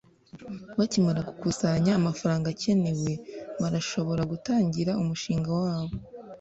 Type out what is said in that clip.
Bakimara gukusanya amafaranga akenewe barashobora gutangira umushinga wabo